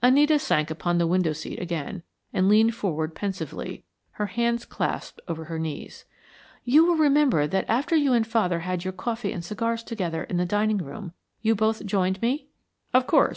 Anita sank upon the window seat again, and leaned forward pensively, her hands clasped over her knees. "You will remember that after you and father had your coffee and cigars together in the dining room, you both joined me?" "Of course.